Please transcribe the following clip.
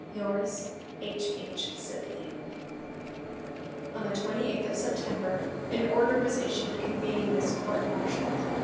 "Yours, "H. H. SIBLEY." On the 28th of September an order was issued convening this court martial.